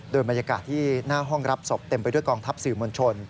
โดยบรรยากาศที่หน้าห้องรับศพเต็มไปด้วยกองทัพสื่อมวลชน